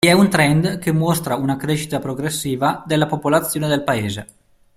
Vi è un trend che mostra una crescita progressiva della popolazione del paese.